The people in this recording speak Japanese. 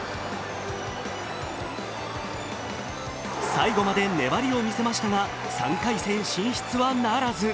最後まで粘りを見せましたが３回戦進出はならず。